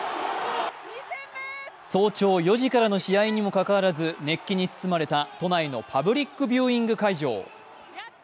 早朝４時からの試合にもかかわらず熱気に包まれた都内のパブリックビューイング会場。